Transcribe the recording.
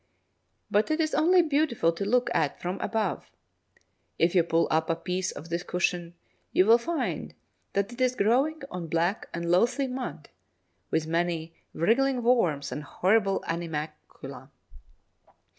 But it is only beautiful to look at from above. If you pull up a piece of this cushion, you will find that it is growing on black and loathly mud, with many wriggling worms and horrible animalcula.